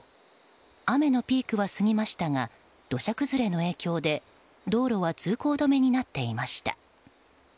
雨のピークは過ぎましたが土砂崩れの影響で道路は通行止めになっていました。